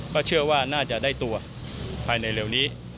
ก็เชื่อว่าน่าจะได้ตัวภายในเร็วนี้